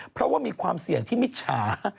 เพราะว่ามีความเสี่ยงที่มิจฉา